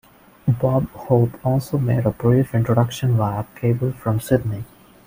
Bob Hope also made a brief introduction via cable from Sydney.